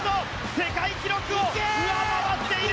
世界記録を上回っている！